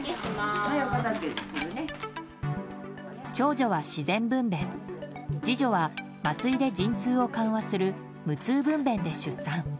長女は自然分娩次女は麻酔で陣痛を緩和する無痛分娩で出産。